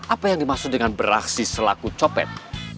apa yang dimaksud dengan beraksi selaku copet